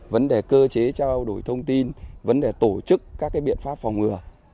vấn đề cơ chế trao đổi thông tin vấn đề tổ chức các biện pháp phòng ngừa